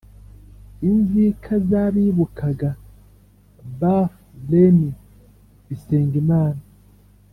Inzika z abibukaga barth lemy bisengimana